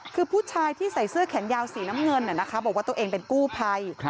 คือผู้ชายที่ใส่เสื้อแขนยาวสีน้ำเงินบอกว่าตัวเองเป็นกู้ภัย